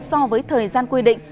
so với thời gian quy định